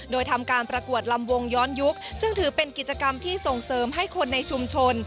โดยทำการประกวดลำวงย้อนยุคซึ่งถือเป็นกิจกรรมที่ส่งเสริมให้คนในชุมชน